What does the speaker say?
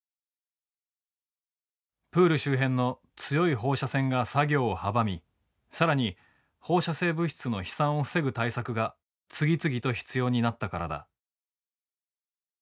プール周辺の強い放射線が作業を阻み更に放射性物質の飛散を防ぐ対策が次々と必要になったからだ。